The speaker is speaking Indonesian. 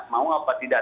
mau apa tidak